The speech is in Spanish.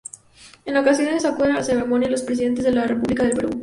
En ocasiones acuden a la ceremonia los Presidentes de la República del Perú.